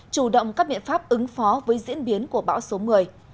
chủ động các biện pháp ứng phó với diễn biến của bão số một mươi